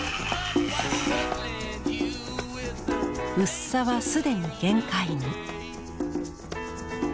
薄さはすでに限界に。